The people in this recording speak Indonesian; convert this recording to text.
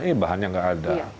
eh bahannya nggak ada